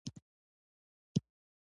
د هوټل منیجر سره یو دوه خبرې کوم.